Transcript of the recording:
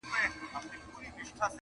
له مطربه سره نسته نوی شرنګ نوي سورونه!!